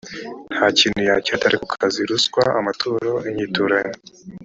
nta kintu yakira atari ku kazi ruswa amaturo inyiturano